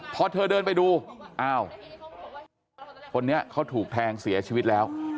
พอเธอเดินไปดูอ้าวคนนี้เขาถูกแทงเสียชีวิตแล้ว